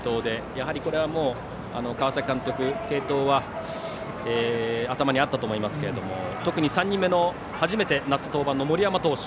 やはりこれは川崎監督継投は頭にあったと思いますが特に３人目の初めて夏登板の森山投手。